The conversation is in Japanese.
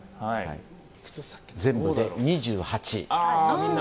全部で２８。